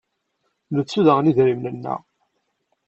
Nettu daɣen idrimen-nneɣ.